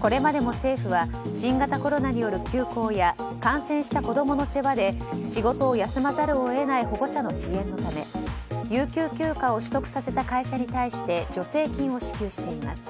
これまでも政府は新型コロナによる休校や感染した子供の世話で仕事を休まざるを得ない保護者の支援のため有給休暇を取得させた会社に対して助成金を支給しています。